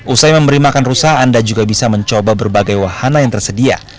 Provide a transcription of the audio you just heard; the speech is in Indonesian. usai memberi makan rusa anda juga bisa mencoba berbagai wahana yang tersedia